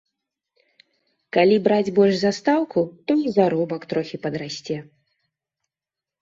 Калі браць больш за стаўку, то і заробак трохі падрасце.